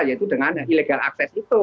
yaitu dengan illegal akses itu